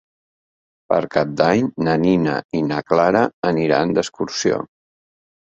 Per Cap d'Any na Nina i na Clara aniran d'excursió.